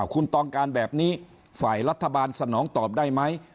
คุณต้องการแบบนี้ฝ่ายรัฐบาลสนองตอบได้ไหม